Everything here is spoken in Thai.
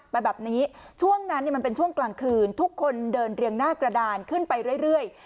ไปแบบนี้ช่วงนั้นมันเป็นช่วงกลางคืนทุกคนเดินเรียงหน้ากระดานขึ้นไปเรื่อย